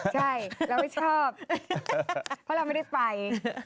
ใช่เราไม่ชอบเพราะเราไม่ได้ไป